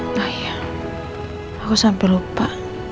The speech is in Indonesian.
nah iya aku sampai lupa